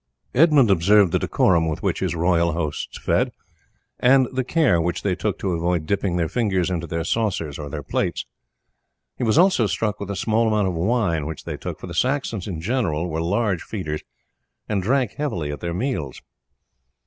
Edmund observed the decorum with which his royal hosts fed, and the care which they took to avoid dipping their fingers into their saucers or their plates. He was also struck with the small amount of wine which they took; for the Saxons in general were large feeders, and drank heavily at their meals.